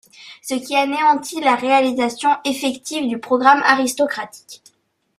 Ce qui anéantit la réalisation effective du programme aristocratique.